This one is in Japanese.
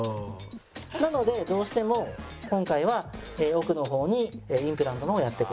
なのでどうしても今回は奥の方にインプラントの方をやっていこうと思います。